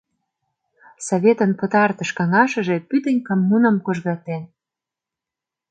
Советын пытартыш каҥашыже пӱтынь коммуным кожгатен.